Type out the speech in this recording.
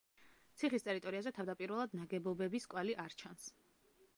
ციხის ტერიტორიაზე თავდაპირველად ნაგებობების კვალი არ ჩანს.